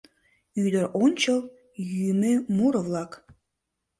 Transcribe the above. Ӱдыр ончыл йӱмӧ муро-влак.